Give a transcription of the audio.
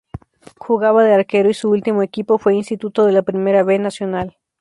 Jugaba de arquero y su último equipo fue Instituto de la Primera B Nacional.